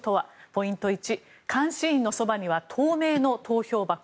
ポイント１、監視員のそばには透明の投票箱。